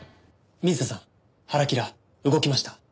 水田さんハラキラ動きました。